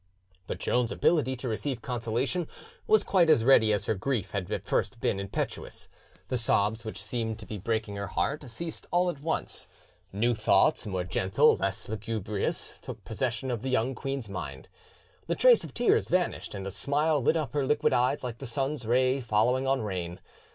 But Joan's ability to receive consolation was quite as ready as her grief had at first been impetuous; the sobs which seemed to be breaking her heart ceased all at once; new thoughts, more gentle, less lugubrious, took possession of the young queen's mind; the trace of tears vanished, and a smile lit up her liquid eyes like the sun's ray following on rain.